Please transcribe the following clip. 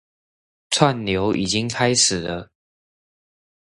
串流已經開始了